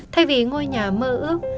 thay vì ngôi nhà mơ ước